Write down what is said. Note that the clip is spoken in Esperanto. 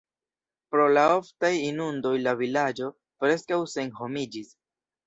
Pro la oftaj inundoj la vilaĝo preskaŭ senhomiĝis.